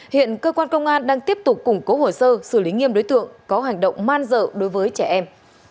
hiện cơ quan công an đang tiếp tục củng cố hồ sơ xử lý nghiêm đối tượng có hành động man dợ đối với trẻ em